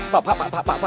pak pak pak pak pak pak